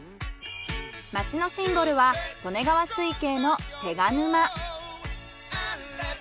町のシンボルは利根川水系の手賀沼。